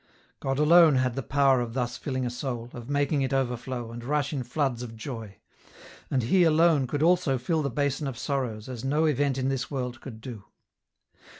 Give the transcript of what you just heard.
God alone had the power of thus filling a soul, of making it overflow, and rush in floods of oy ; and He alone could also fill the basin of sorrows, as no event in this world could do.